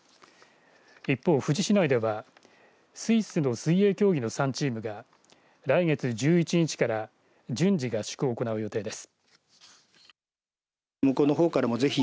一方、富士市内ではスイスの水泳競技の３チームが来月１１日から順次合宿を行う予定です。